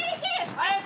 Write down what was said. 早く！